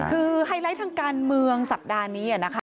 คือไฮไลท์ทางการเมืองสัปดาห์นี้นะคะ